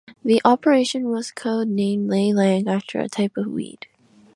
The operation was codenamed "lalang" after a type of weed.